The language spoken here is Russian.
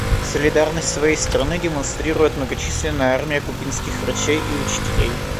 Солидарность своей страны демонстрирует многочисленная армия кубинских врачей и учителей.